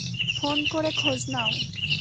Phone করে খোঁজ নাও।